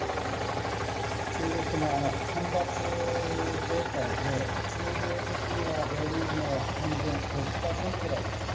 急激な干ばつ状態で、収量的には例年の半分、５０％ぐらいですね。